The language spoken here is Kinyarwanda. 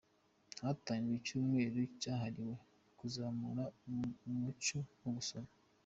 Hatangijwe icyumweru cyahariwe kuzamura umuco wo gusoma